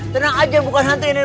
tenang aja bukan hantu yang takut